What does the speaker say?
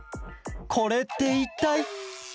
これっていったい！？